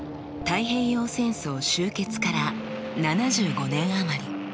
太平洋戦争終結から７５年余り。